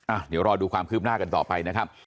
อ่ะเดี๋ยวรอดูความคืบหน้ากันต่อไปนะครับ